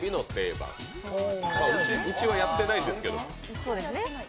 うちはやってないですけど。